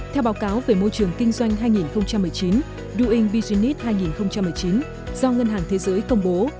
theo báo cáo về môi trường kinh doanh hai nghìn một mươi chín do ngân hàng thế giới công bố